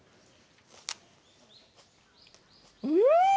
うん！